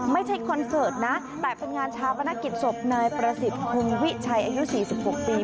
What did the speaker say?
คอนเสิร์ตนะแต่เป็นงานชาปนกิจศพนายประสิทธิ์คงวิชัยอายุ๔๖ปี